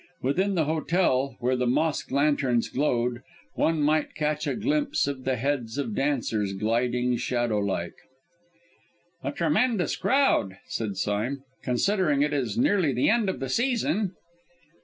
Within the hotel, where the mosque lanterns glowed, one might catch a glimpse of the heads of dancers gliding shadowlike. "A tremendous crowd," said Sime, "considering it is nearly the end of the season."